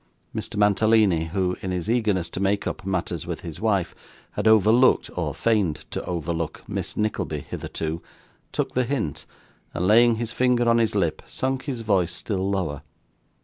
Mr. Mantalini, who, in his eagerness to make up matters with his wife, had overlooked, or feigned to overlook, Miss Nickleby hitherto, took the hint, and laying his finger on his lip, sunk his voice still lower.